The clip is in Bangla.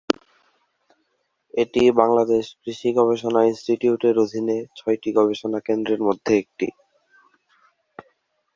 এটি বাংলাদেশ কৃষি গবেষণা ইনস্টিটিউটের অধীনে ছয়টি গবেষণা কেন্দ্রের মধ্যে একটি।